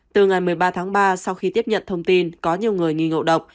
từ ngày một mươi ba tháng ba sau khi tiếp nhận thông tin có nhiều người nghi ngộ độc